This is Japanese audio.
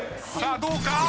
さあどうか？